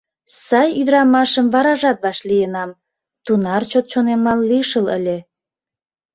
Сай ӱдырамашым варажат вашлийынам, тунар чот чонемлан лишыл ыле...